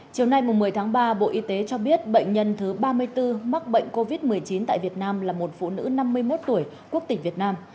chiều nay một mươi tháng ba bộ y tế cho biết bệnh nhân thứ ba mươi bốn mắc bệnh covid một mươi chín tại việt nam là một phụ nữ năm mươi một tuổi quốc tịch việt nam